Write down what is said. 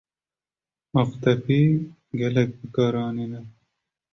Aqtepî gelek bi kar anîne.